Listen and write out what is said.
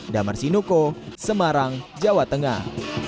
damar sinuko semarang jawa tengah